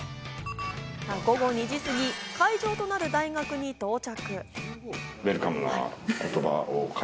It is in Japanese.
午後２時過ぎ、会場となる大学に到着。